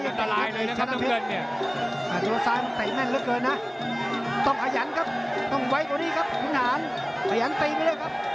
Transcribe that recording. เป็นด่านอันตรายหนึ่งนะครับเพื่อนแค่สายมันเตะแม่น